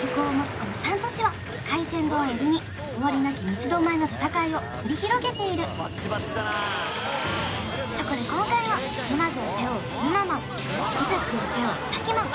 この３都市は海鮮丼を売りに終わりなき三つ巴の戦いを繰り広げているそこで今回は沼津を背負うぬまＭａｎ三崎を背負うさきＭａｎ